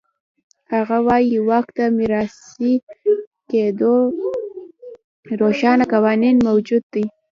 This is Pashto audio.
هغه وایي واک د میراثي کېدو روښانه قوانین موجود و.